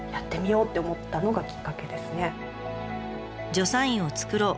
「助産院を作ろう」。